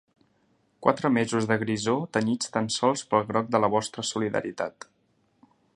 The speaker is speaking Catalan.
Quatre mesos de grisor tenyits tan sols pel groc de la vostra solidaritat.